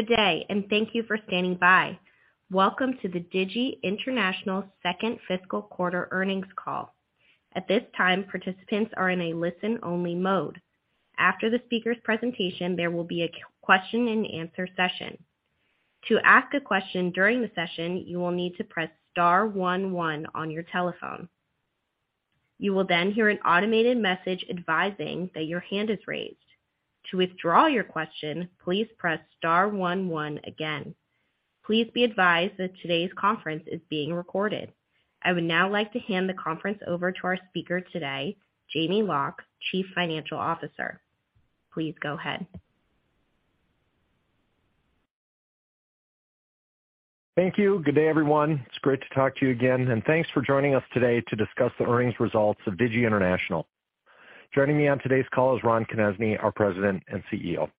Good day. Thank you for standing by. Welcome to the Digi International Second Fiscal Quarter Earnings Call. At this time, participants are in a listen-only mode. After the speaker's presentation, there will be a question and answer session. To ask a question during the session, you will need to press star one one on your telephone. You will hear an automated message advising that your hand is raised. To withdraw your question, please press star one one again. Please be advised that today's conference is being recorded. I would now like to hand the conference over to our speaker today, Jamie Loch, Chief Financial Officer. Please go ahead. Thank you. Good day, everyone. It's great to talk to you again, and thanks for joining us today to discuss the earnings results of Digi International. Joining me on today's call is Ron Konezny, our President and CEO.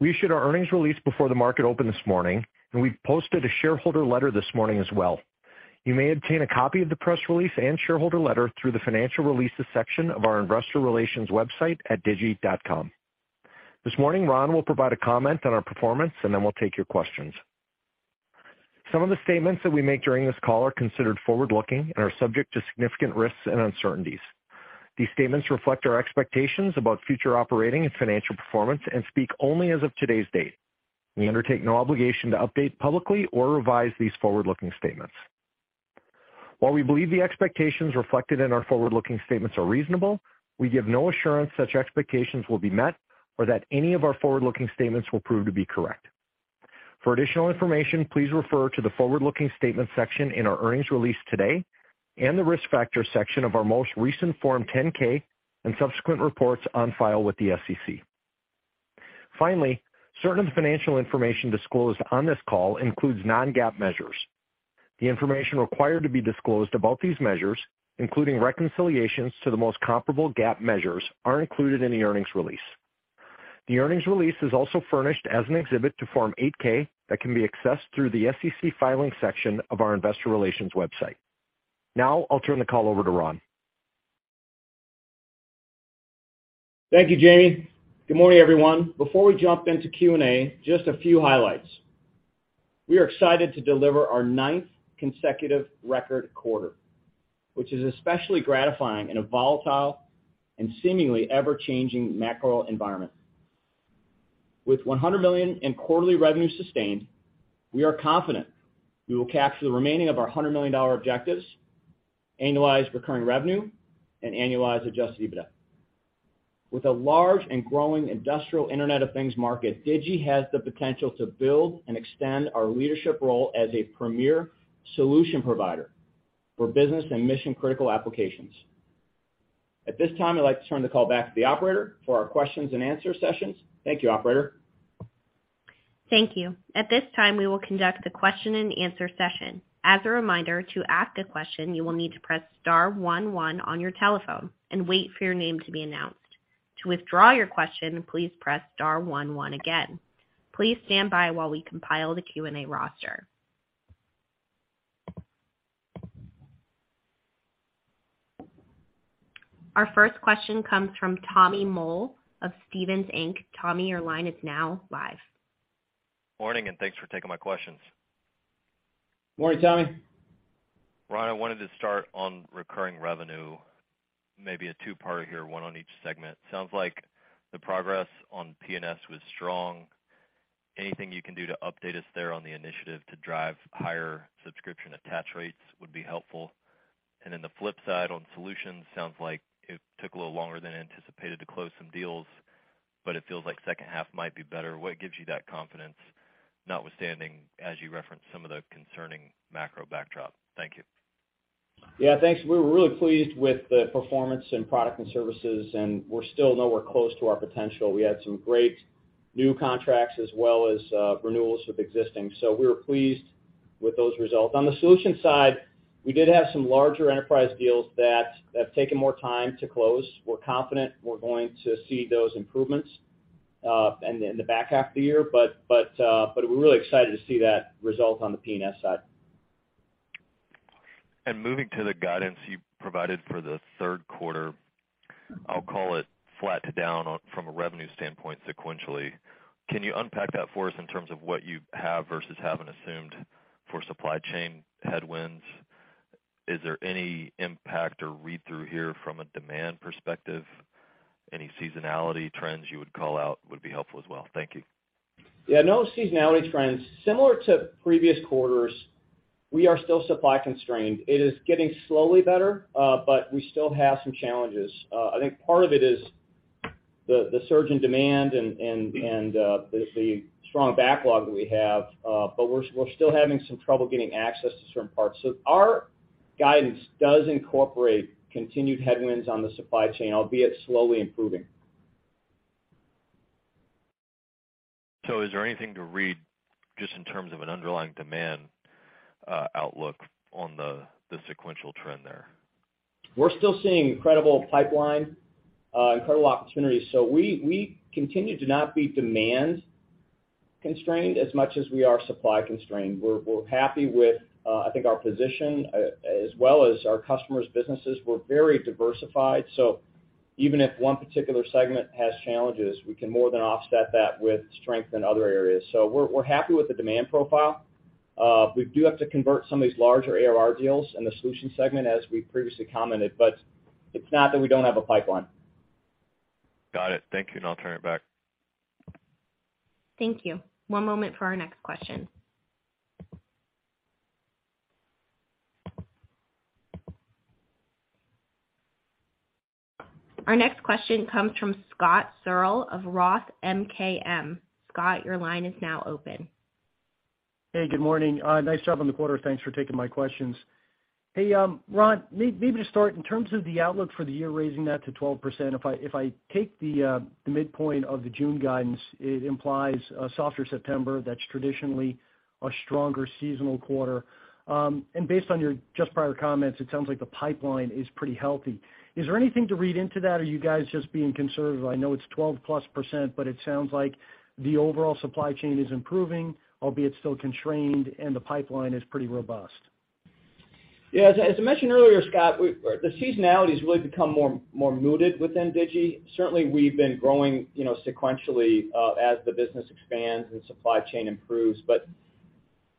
We issued our earnings release before the market opened this morning, and we posted a shareholder letter this morning as well. You may obtain a copy of the press release and shareholder letter through the Financial Releases section of our investor relations website at digi.com. This morning, Ron will provide a comment on our performance, and then we'll take your questions. Some of the statements that we make during this call are considered forward-looking and are subject to significant risks and uncertainties. These statements reflect our expectations about future operating and financial performance and speak only as of today's date. We undertake no obligation to update publicly or revise these forward-looking statements. While we believe the expectations reflected in our forward-looking statements are reasonable, we give no assurance such expectations will be met or that any of our forward-looking statements will prove to be correct. For additional information, please refer to the Forward-Looking Statement section in our earnings release today and the Risk Factor section of our most recent Form 10-K and subsequent reports on file with the SEC. Finally, certain financial information disclosed on this call includes non-GAAP measures. The information required to be disclosed about these measures, including reconciliations to the most comparable GAAP measures, are included in the earnings release. The earnings release is also furnished as an exhibit to Form 8-K that can be accessed through the SEC Filings section of our investor relations website. Now, I'll turn the call over to Ron. Thank you, Jamie. Good morning, everyone. Before we jump into Q&A, just a few highlights. We are excited to deliver our ninth consecutive record quarter, which is especially gratifying in a volatile and seemingly ever-changing macro environment. With $100 million in quarterly revenue sustained, we are confident we will capture the remaining of our hundred million dollar objectives, annualized recurring revenue and annualized adjusted EBITDA. With a large and growing industrial Internet of Things market, Digi has the potential to build and extend our leadership role as a premier solution provider for business and mission-critical applications. At this time, I'd like to turn the call back to the operator for our questions and answer sessions. Thank you, operator. Thank you. At this time, we will conduct the question-and-answer session. As a reminder, to ask a question, you will need to press star one one on your telephone and wait for your name to be announced. To withdraw your question, please press star one one again. Please stand by while we compile the Q&A roster. Our first question comes from Tommy Moll of Stephens Inc. Tommy, your line is now live. Morning, thanks for taking my questions. Morning, Tommy. Ron, I wanted to start on recurring revenue, maybe a two-parter here, one on each segment. Sounds like the progress on PNS was strong. Anything you can do to update us there on the initiative to drive higher subscription attach rates would be helpful. The flip side on solutions, sounds like it took a little longer than anticipated to close some deals, but it feels like second half might be better. What gives you that confidence, notwithstanding, as you referenced some of the concerning macro backdrop? Thank you. Yeah, thanks. We're really pleased with the performance in product and services, and we're still nowhere close to our potential. We had some great new contracts as well as renewals with existing. We were pleased with those results. On the solutions side, we did have some larger enterprise deals that have taken more time to close. We're confident we're going to see those improvements in the back half of the year. We're really excited to see that result on the PNS side. Moving to the guidance you provided for the third quarter, I'll call it flat to down from a revenue standpoint sequentially. Can you unpack that for us in terms of what you have versus haven't assumed for supply chain headwinds? Is there any impact or read-through here from a demand perspective? Any seasonality trends you would call out would be helpful as well. Thank you. Yeah, no seasonality trends. Similar to previous quarters, we are still supply constrained. It is getting slowly better, we still have some challenges. I think part of it is the surge in demand and the strong backlog that we have, we're still having some trouble getting access to certain parts. Our guidance does incorporate continued headwinds on the supply chain, albeit slowly improving. Is there anything to read just in terms of an underlying demand, outlook on the sequential trend there? We're still seeing incredible pipeline, incredible opportunities. We continue to not be demand constrained as much as we are supply constrained. We're, we're happy with, I think our position, as well as our customers' businesses. We're very diversified. Even if one particular segment has challenges, we can more than offset that with strength in other areas. We're, we're happy with the demand profile. We do have to convert some of these larger ARR deals in the solutions segment, as we previously commented, but it's not that we don't have a pipeline. Got it. Thank you, and I'll turn it back. Thank you. One moment for our next question. Our next question comes from Scott Searle of ROTH MKM. Scott, your line is now open. Hey, good morning. Nice job on the quarter. Thanks for taking my questions. Hey, Ron, maybe to start, in terms of the outlook for the year, raising that to 12%, if I, if I take the midpoint of the June guidance, it implies a softer September. That's traditionally a stronger seasonal quarter. Based on your just prior comments, it sounds like the pipeline is pretty healthy. Is there anything to read into that or are you guys just being conservative? I know it's 12%+, but it sounds like the overall supply chain is improving, albeit still constrained, and the pipeline is pretty robust. Yeah, as I mentioned earlier, Scott, the seasonality has really become more muted within Digi. Certainly, we've been growing, you know, sequentially, as the business expands and supply chain improves.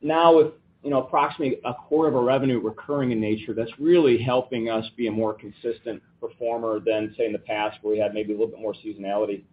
Now with, you know, approximately a quarter of our revenue recurring in nature, that's really helping us be a more consistent performer than, say, in the past, where we had maybe a little bit more seasonality.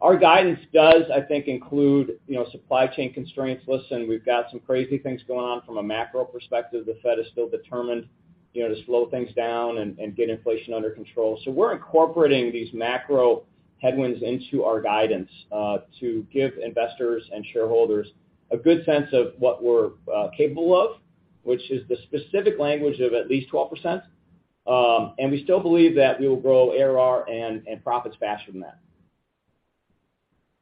Our guidance does, I think, include, you know, supply chain constraints. Listen, we've got some crazy things going on from a macro perspective. The Fed is still determined, you know, to slow things down and get inflation under control. We're incorporating these macro headwinds into our guidance to give investors and shareholders a good sense of what we're capable of, which is the specific language of at least 12%. We still believe that we will grow ARR and profits faster than that.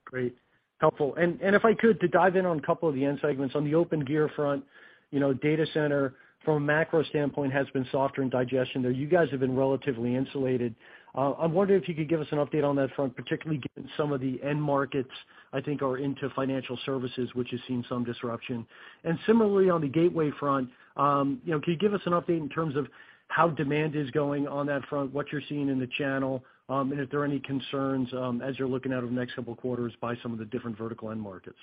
Great. Helpful. If I could, to dive in on a couple of the end segments. On the Opengear front, you know, data center from a macro standpoint has been softer in digestion, though you guys have been relatively insulated. I'm wondering if you could give us an update on that front, particularly given some of the end markets, I think, are into financial services, which has seen some disruption. Similarly, on the gateway front, you know, can you give us an update in terms of how demand is going on that front, what you're seeing in the channel, and if there are any concerns, as you're looking out over the next couple of quarters by some of the different vertical end markets?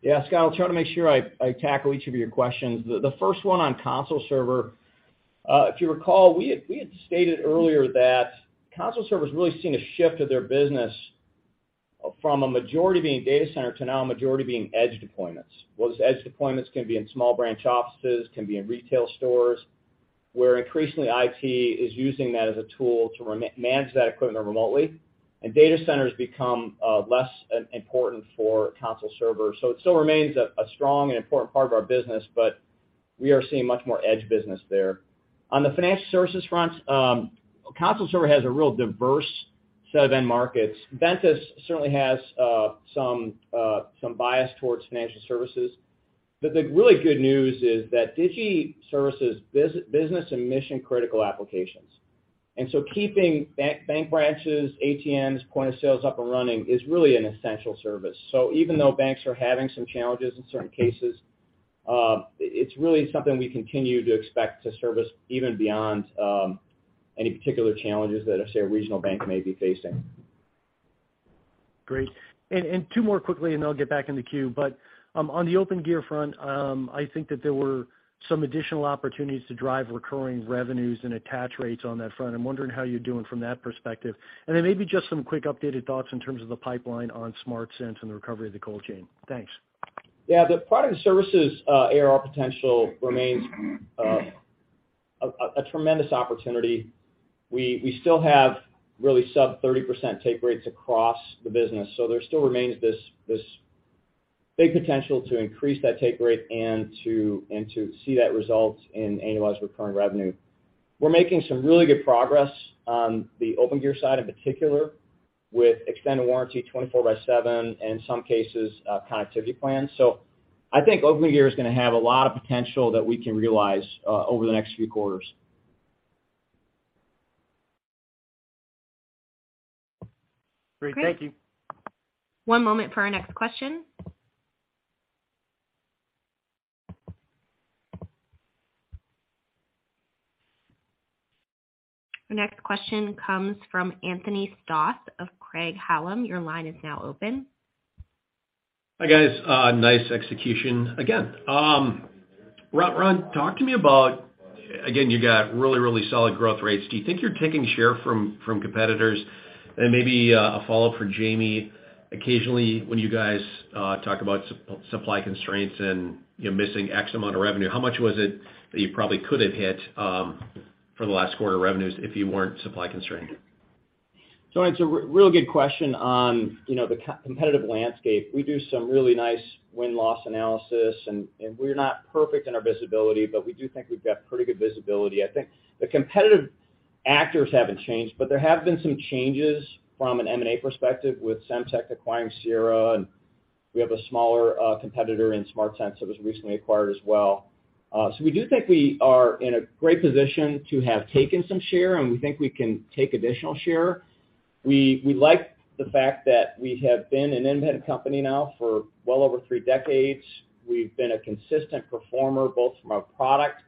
Yeah, Scott, I'll try to make sure I tackle each of your questions. The first one on Console Server, if you recall, we had stated earlier that Console Server has really seen a shift of their business from a majority being data center to now a majority being edge deployments. Those edge deployments can be in small branch offices, can be in retail stores, where increasingly IT is using that as a tool to manage that equipment remotely, and data centers become less important for Console Server. It still remains a strong and important part of our business, but we are seeing much more edge business there. On the financial services front, Console Server has a real diverse set of end markets. Ventus certainly has some bias towards financial services. The really good news is that Digi services business and mission-critical applications. Keeping bank branches, ATMs, point of sales up and running is really an essential service. Even though banks are having some challenges in certain cases, it's really something we continue to expect to service even beyond any particular challenges that, say, a regional bank may be facing. Great. Two more quickly, and then I'll get back in the queue. On the Opengear front, I think that there were some additional opportunities to drive recurring revenues and attach rates on that front. I'm wondering how you're doing from that perspective. Maybe just some quick updated thoughts in terms of the pipeline on SmartSense and the recovery of the cold chain? Thanks. Yeah. The product and services, ARR potential remains, a tremendous opportunity. We still have really sub 30% take rates across the business. There still remains this big potential to increase that take rate and to see that result in annualized recurring revenue. We're making some really good progress on the Opengear side, in particular, with extended warranty 24 by 7, and in some cases, connectivity plans. I think Opengear is gonna have a lot of potential that we can realize, over the next few quarters. Great. Thank you. One moment for our next question. The next question comes from Anthony Stoss of Craig-Hallum. Your line is now open. Hi, guys. Nice execution again. Ron, talk to me about, again, you got really, really solid growth rates. Do you think you're taking share from competitors? Maybe, a follow-up for Jamie. Occasionally, when you guys, talk about supply constraints and, you know, missing X amount of revenue, how much was it that you probably could have hit for the last quarter revenues if you weren't supply constrained? It's a real good question on, you know, the co-competitive landscape. We do some really nice win-loss analysis and we're not perfect in our visibility, but we do think we've got pretty good visibility. I think the competitive actors haven't changed, but there have been some changes from an M&A perspective with Semtech acquiring Sierra, and we have a smaller competitor in SmartSense that was recently acquired as well. We do think we are in a great position to have taken some share, and we think we can take additional share. We like the fact that we have been an embedded company now for well over three decades. We've been a consistent performer, both from a product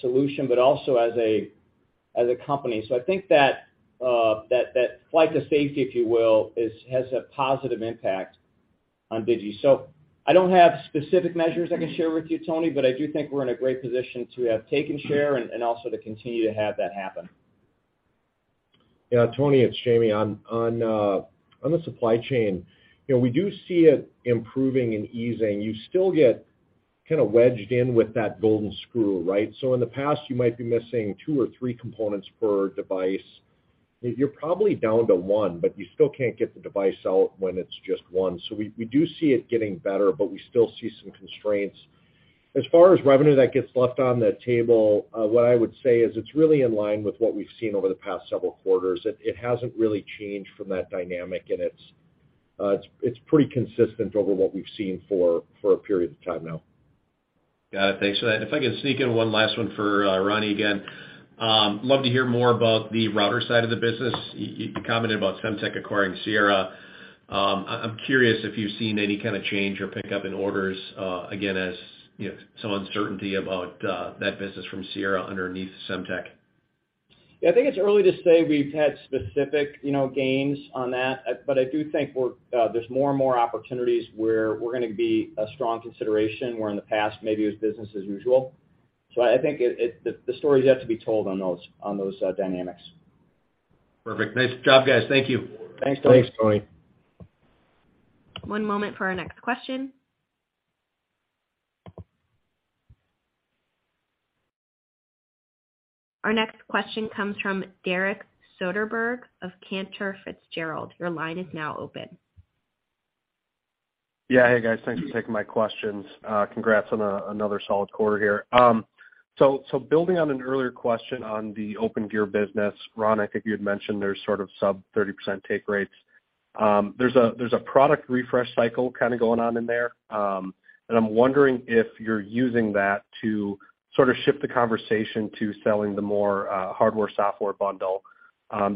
solution, but also as a company. I think that flight to safety, if you will, has a positive impact on Digi. I don't have specific measures I can share with you, Tony, but I do think we're in a great position to have taken share and also to continue to have that happen. Yeah, Tony, it's Jamie. On the supply chain, you know, we do see it improving and easing. You still get kinda wedged in with that golden screw, right? In the past, you might be missing two or three components per device. You're probably down to 1, but you still can't get the device out when it's just one. We do see it getting better, but we still see some constraints. As far as revenue that gets left on the table, what I would say is it's really in line with what we've seen over the past several quarters. It hasn't really changed from that dynamic, and it's pretty consistent over what we've seen for a period of time now. Got it. Thanks for that. If I could sneak in one last one for Ronnie again. Love to hear more about the router side of the business. You commented about Semtech acquiring Sierra. I'm curious if you've seen any kind of change or pickup in orders, again, as, you know, some uncertainty about that business from Sierra underneath Semtech. Yeah, I think it's early to say we've had specific, you know, gains on that. I do think we're there's more and more opportunities where we're gonna be a strong consideration, where in the past, maybe it was business as usual. I think it the story is yet to be told on those dynamics. Perfect. Nice job, guys. Thank you. Thanks, Tony. Thanks, Tony. One moment for our next question. Our next question comes from Derek Soderberg of Cantor Fitzgerald. Your line is now open. Yeah. Hey, guys. Thanks for taking my questions. Congrats on another solid quarter here. Building on an earlier question on the Opengear business, Ron, I think you had mentioned there's sort of sub 30% take rates. There's a product refresh cycle kinda going on in there. I'm wondering if you're using that to sort of shift the conversation to selling the more hardware, software bundle.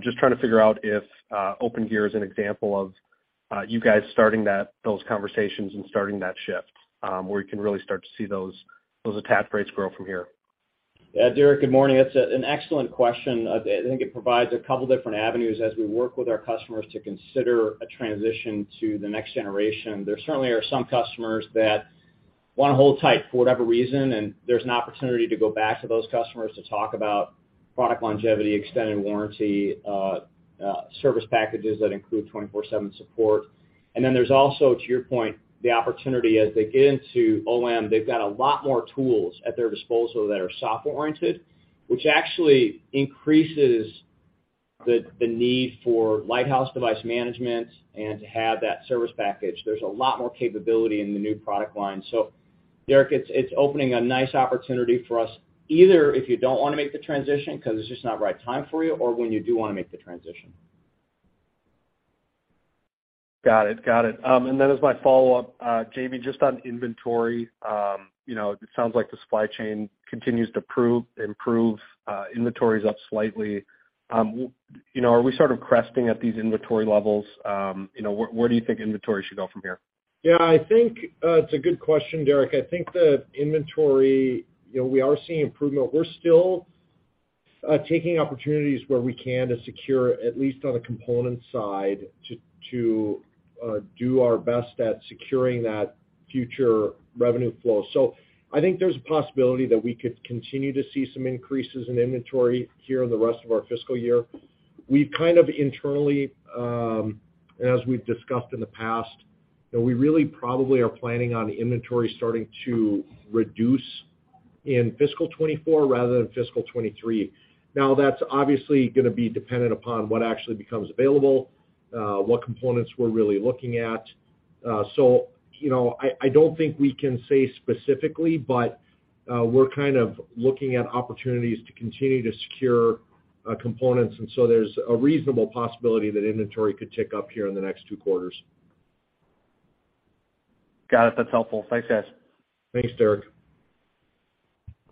Just trying to figure out if Opengear is an example of you guys starting those conversations and starting that shift, where you can really start to see those attach rates grow from here. Yeah. Derek, good morning. It's an excellent question. I think it provides a couple different avenues as we work with our customers to consider a transition to the next generation. There certainly are some customers that wanna hold tight for whatever reason, and there's an opportunity to go back to those customers to talk about product longevity, extended warranty, service packages that include 24/7 support. Then there's also, to your point, the opportunity as they get into OM, they've got a lot more tools at their disposal that are software-oriented, which actually increases the need for Lighthouse device management and to have that service package. There's a lot more capability in the new product line. Derek, it's opening a nice opportunity for us, either if you don't wanna make the transition 'cause it's just not right time for you or when you do wanna make the transition. Got it. Got it. As my follow-up, Jamie, just on inventory, you know, it sounds like the supply chain continues to improve, inventory's up slightly. You know, are we sort of cresting at these inventory levels? You know, where do you think inventory should go from here? Yeah, I think, it's a good question, Derek. I think the inventory, you know, we are seeing improvement. We're still taking opportunities where we can to secure at least on the component side, to do our best at securing that future revenue flow. I think there's a possibility that we could continue to see some increases in inventory here in the rest of our fiscal year. We've kind of internally, as we've discussed in the past, you know, we really probably are planning on inventory starting to reduce in fiscal 2024 rather than fiscal 2023. That's obviously gonna be dependent upon what actually becomes available, what components we're really looking at. You know, I don't think we can say specifically, but, we're kind of looking at opportunities to continue to secure components. There's a reasonable possibility that inventory could tick up here in the next two quarters. Got it. That's helpful. Thanks, guys. Thanks, Derek.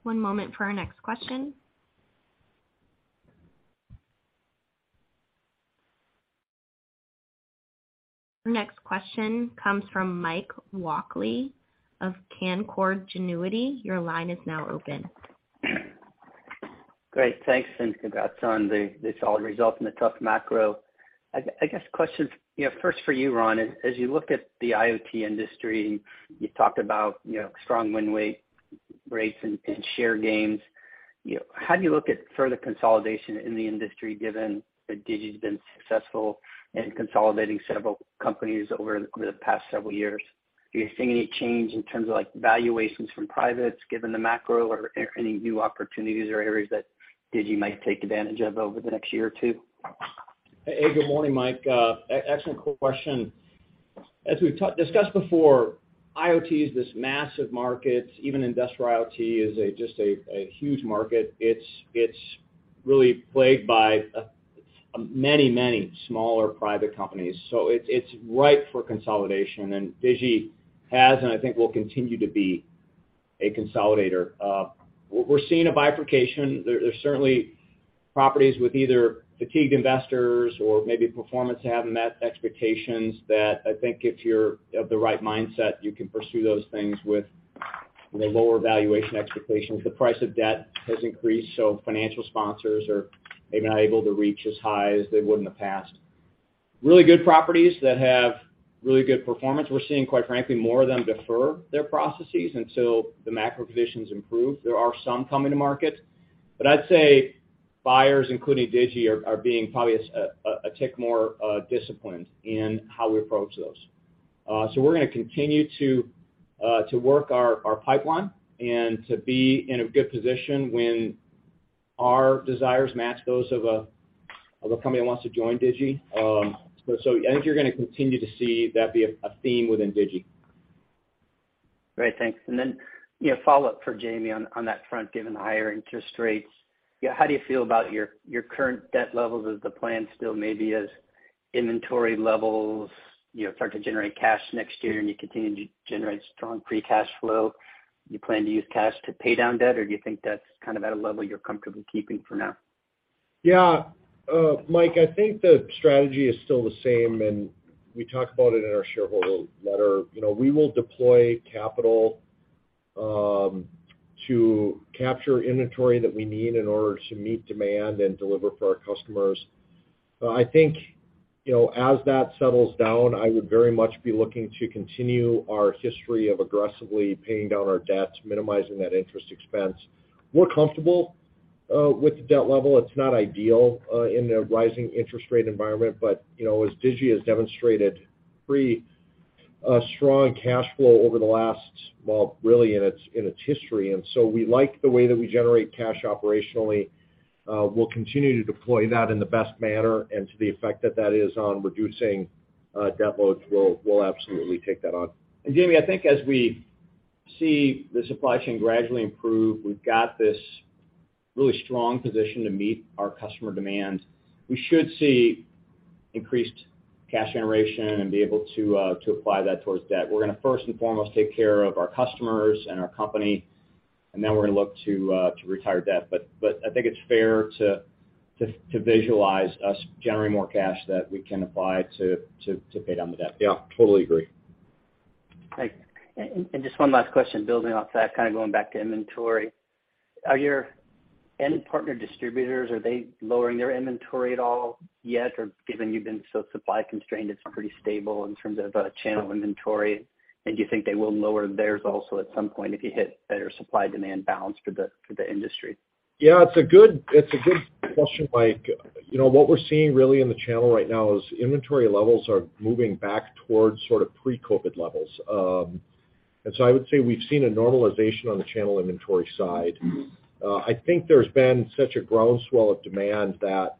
One moment for our next question. The next question comes from Mike Walkley of Canaccord Genuity. Your line is now open. Great. Thanks, congrats on the solid results in a tough macro. I guess question, you know, first for you, Ron, as you look at the IoT industry, you talked about, you know, strong win weight, rates and share gains. You know, how do you look at further consolidation in the industry given that Digi's been successful in consolidating several companies over the past several years? Are you seeing any change in terms of like valuations from privates given the macro or any new opportunities or areas that Digi might take advantage of over the next year or two? Hey, good morning, Mike. Excellent question. As we've discussed before, IoT is this massive market. Even industrial IoT is just a huge market. It's really plagued by many, many smaller private companies. It's ripe for consolidation, and Digi has, and I think will continue to be a consolidator. We're seeing a bifurcation. There's certainly properties with either fatigued investors or maybe performance haven't met expectations that I think if you're of the right mindset, you can pursue those things with the lower valuation expectations. The price of debt has increased, financial sponsors are maybe not able to reach as high as they would in the past. Really good properties that have really good performance, we're seeing, quite frankly, more of them defer their processes until the macro conditions improve. There are some coming to market. I'd say buyers, including Digi, are being probably a tick more disciplined in how we approach those. We're gonna continue to work our pipeline and to be in a good position when our desires match those of a company that wants to join Digi. I think you're gonna continue to see that be a theme within Digi. Great. Thanks. Then, you know, follow-up for Jamie on that front, given the higher interest rates, you know, how do you feel about your current debt levels as the plan still may be as inventory levels, you know, start to generate cash next year and you continue to generate strong free cash flow? You plan to use cash to pay down debt, or do you think that's kind of at a level you're comfortable keeping for now? Yeah. Mike, I think the strategy is still the same, and we talked about it in our shareholder letter. You know, we will deploy capital to capture inventory that we need in order to meet demand and deliver for our customers. I think, you know, as that settles down, I would very much be looking to continue our history of aggressively paying down our debts, minimizing that interest expense. We're comfortable with the debt level. It's not ideal in a rising interest rate environment, but, you know, as Digi has demonstrated pretty strong cash flow over the last, well, really in its history. We like the way that we generate cash operationally. We'll continue to deploy that in the best manner and to the effect that that is on reducing debt loads, we'll absolutely take that on. Jamie, I think as we see the supply chain gradually improve, we've got this really strong position to meet our customer demands. We should see increased cash generation and be able to apply that towards debt. We're gonna first and foremost take care of our customers and our company, and then we're gonna look to retire debt. I think it's fair to visualize us generating more cash that we can apply to pay down the debt. Yeah, totally agree. Great. Just one last question, building off that, kind of going back to inventory. Are your end partner distributors, are they lowering their inventory at all yet? Given you've been so supply constrained, it's pretty stable in terms of, channel inventory, and do you think they will lower theirs also at some point if you hit better supply-demand balance for the, for the industry? Yeah, it's a good, it's a good question, Mike. You know, what we're seeing really in the channel right now is inventory levels are moving back towards sort of pre-COVID levels. I would say we've seen a normalization on the channel inventory side. I think there's been such a groundswell of demand that,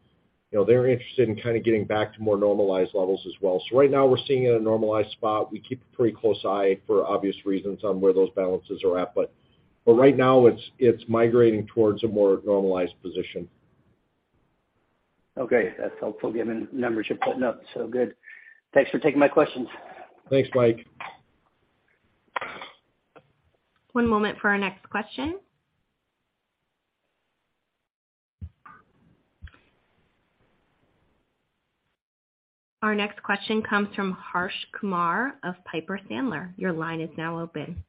you know, they're interested in kind of getting back to more normalized levels as well. Right now, we're seeing it at a normalized spot. We keep a pretty close eye for obvious reasons on where those balances are at, but right now, it's migrating towards a more normalized position. Okay. That's helpful given numbers you're putting up, so good. Thanks for taking my questions. Thanks, Mike. One moment for our next question. Our next question comes from Harsh Kumar of Piper Sandler. Your line is now open.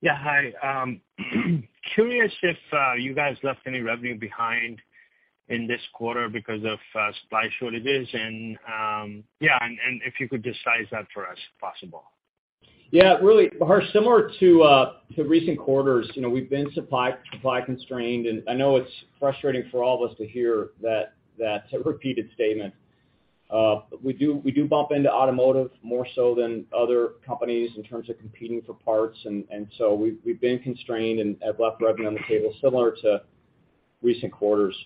Yeah. Hi. Curious if you guys left any revenue behind in this quarter because of supply shortages and, yeah, and if you could just size that for us if possible? Yeah. Really, Harsh, similar to recent quarters, you know, we've been supply constrained, and I know it's frustrating for all of us to hear that's a repeated statement. We do bump into automotive more so than other companies in terms of competing for parts. We've been constrained and have left revenue on the table similar to recent quarters.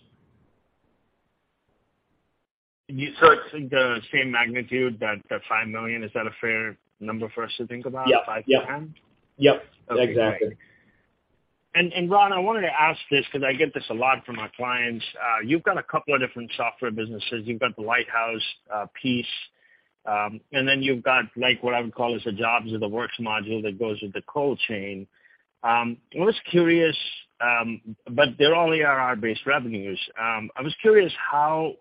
It's in the same magnitude, that $5 million, is that a fair number for us to think about? Yeah. Five to 10? Yep, exactly. Okay, great. Ron, I wanted to ask this because I get this a lot from our clients. You've got a couple of different software businesses. You've got the Lighthouse piece, and then you've got like what I would call is the jobs or the works module that goes with the cold chain. I was curious, but they're all ARR-based revenues. I was curious how,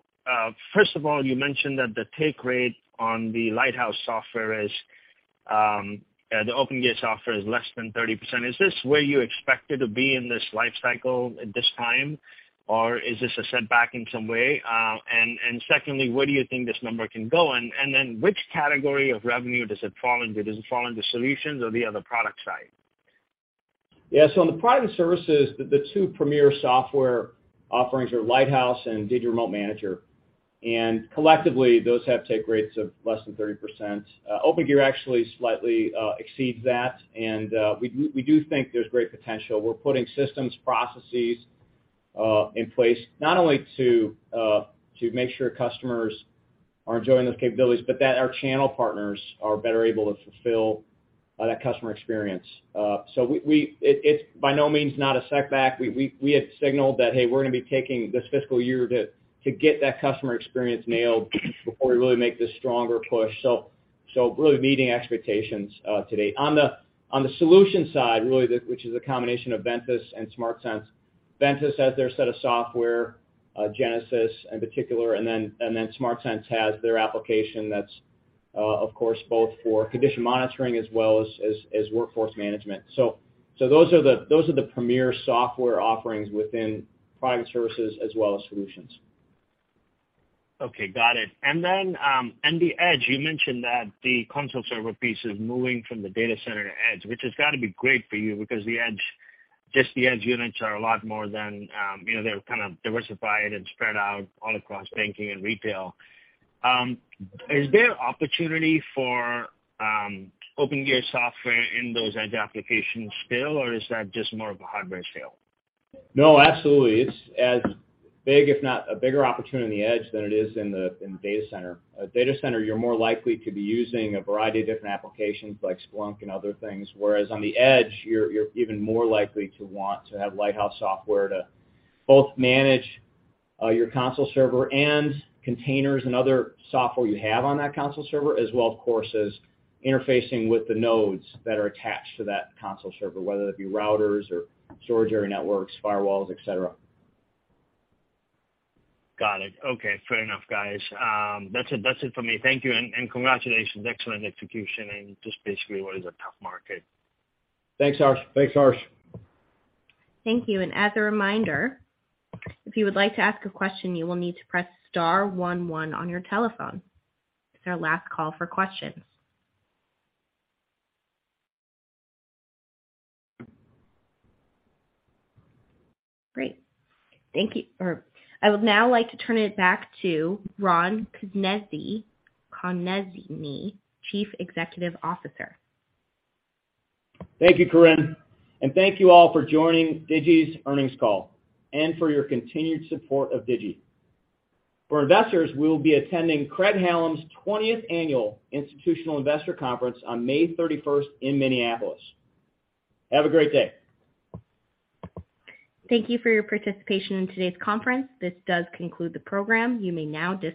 first of all, you mentioned that the take rate on the Lighthouse software is, the Opengear software is less than 30%. Is this where you expected to be in this life cycle at this time, or is this a setback in some way? Secondly, where do you think this number can go? Then which category of revenue does it fall into? Does it fall into solutions or the other product side? On the private services, the two premier software offerings are Lighthouse and Digi Remote Manager. Collectively, those have take rates of less than 30%. Opengear actually slightly exceeds that. We do think there's great potential. We're putting systems, processes in place not only to make sure customers are enjoying those capabilities, but that our channel partners are better able to fulfill on that customer experience. It's by no means not a setback. We had signaled that, hey, we're gonna be taking this fiscal year to get that customer experience nailed before we really make this stronger push. Really meeting expectations today. On the solutions side, which is a combination of Ventus and SmartSense. Ventus has their set of software, Genesis in particular, and then SmartSense has their application that's, of course, both for condition monitoring as well as workforce management. Those are the premier software offerings within product services as well as solutions. Okay, got it. The Edge, you mentioned that the Console Server piece is moving from the data center to Edge, which has gotta be great for you because the Edge units are a lot more than. You know, they're kind of diversified and spread out all across banking and retail. Is there opportunity for Opengear software in those Edge applications still, or is that just more of a hardware sale? No, absolutely. It's as big, if not a bigger opportunity in the Edge than it is in the, in the data center. Data center, you're more likely to be using a variety of different applications like Splunk and other things, whereas on the Edge, you're even more likely to want to have Lighthouse software to both manage your Console Server and containers and other software you have on that Console Server, as well, of course, as interfacing with the nodes that are attached to that Console Server, whether that be routers or storage area networks, firewalls, et cetera. Got it. Okay. Fair enough, guys. That's it for me. Thank you, and congratulations. Excellent execution in just basically what is a tough market. Thanks, Harsh. Thanks, Harsh. Thank you. As a reminder, if you would like to ask a question, you will need to press star one one on your telephone. It's our last call for questions. Great. Thank you. I would now like to turn it back to Ron Konezny, Chief Executive Officer. Thank you, Corine. Thank you, all for joining Digi's earnings call and for your continued support of Digi. For investors, we will be attending Craig-Hallum's 20th Annual Institutional Investor Conference on May 31st in Minneapolis. Have a great day. Thank you for your participation in today's conference. This does conclude the program. You may now disconnect.